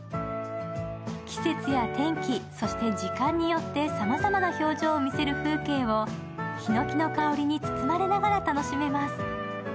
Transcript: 季節や天気、そして時間によってさまざまな表情を見せる風景を檜の香りに包まれながら楽しめます。